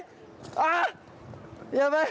あやばい！